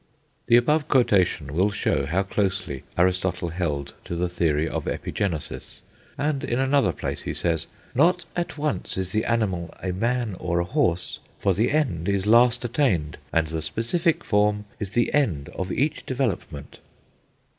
The above quotation will show how closely Aristotle held to the theory of Epigenesis; and in another place he says, "Not at once is the animal a man or a horse, for the end is last attained; and the specific form is the end of each development."